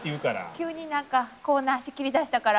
急になんかコーナー仕切りだしたから。